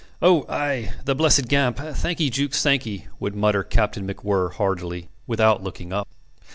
"Oh! aye! The blessed gamp. ... Thank 'ee, Jukes, thank 'ee," would mutter Captain MacWhirr, heartily, without looking up.